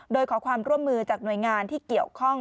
โดยขอความร่วมมือจากหน่วยงานที่เกี่ยวข้อง